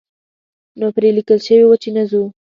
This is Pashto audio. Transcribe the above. نو پرې لیکل شوي وو چې نه ځو.